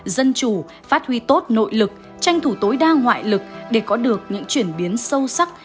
dân chủ phát huy tốt nội lực tranh thủ tối đa ngoại lực để có được những chuyển biến sâu sắc